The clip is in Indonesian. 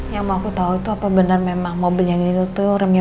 yang mau aku tau itu apa bener memang mobil yang ini tuh remnya belum apa enggak